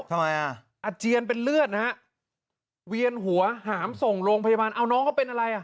ทำไมอ่ะอาเจียนเป็นเลือดนะฮะเวียนหัวหามส่งโรงพยาบาลเอาน้องเขาเป็นอะไรอ่ะ